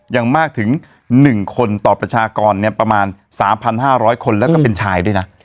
ยังมากถึง๑คนต่อประชากรประมาณ๓๕๐๐คนแล้วก็เป็นชายด้วยนะ